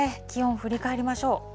気温、振り返りましょう。